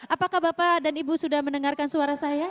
apakah bapak dan ibu sudah mendengarkan suara saya